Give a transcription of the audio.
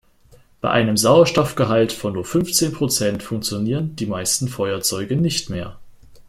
Bei einem Sauerstoffgehalt von nur fünfzehn Prozent funktionieren die meisten Feuerzeuge nicht mehr.